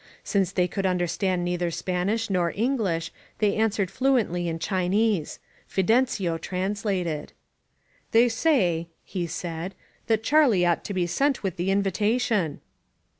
Since they could understand neither Spanish nor English, they answered fluently in Chinese. Fidencio translated. "They say," he said, *Hhat Charlie ought to be sent with the invitation."